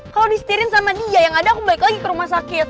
kalo di setirin sama dia yang ada aku balik lagi ke rumah sakit